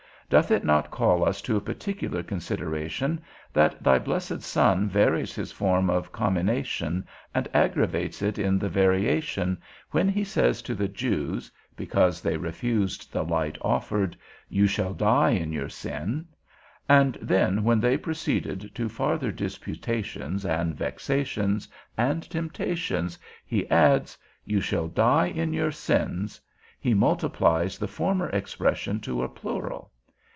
Doth it not call us to a particular consideration that thy blessed Son varies his form of commination, and aggravates it in the variation, when he says to the Jews (because they refused the light offered), You shall die in your sin: and then when they proceeded to farther disputations, and vexations, and temptations, he adds, You shall die in your sins; he multiplies the former expression to a plural.